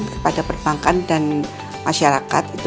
kepada perbankan dan masyarakat itu